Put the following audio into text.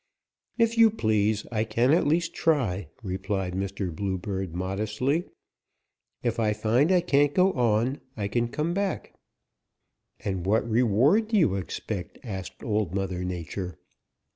"'If you please, I can at least try,' replied Mr. Bluebird modestly. 'If I find I can't go on, I can come back.' "'And what reward do you expect?' asked Old Mother Nature.